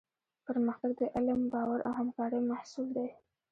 پرمختګ د علم، باور او همکارۍ محصول دی.